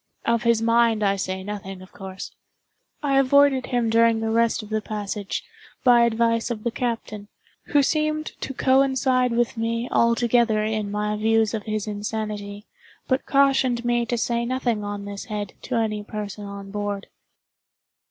Of his mind I say nothing, of course. I avoided him during the rest of the passage, by advice of the captain, who seemed to coincide with me altogether in my views of his insanity, but cautioned me to say nothing on this head to any person on board.